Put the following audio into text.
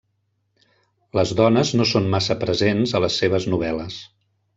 Les dones no són massa presents a les seves novel·les.